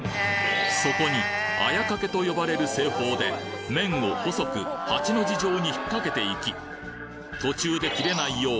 そこに綾掛けと呼ばれる製法で麺を細く８の字状に引っ掛けていき途中で切れないよう